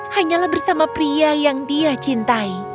hanyalah bersama pria yang dia cintai